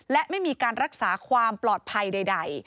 และไม่มีการรักษาความปลอดภัยใด